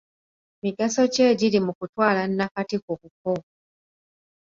Migaso ki egirimu kutwala nnakati ku buko?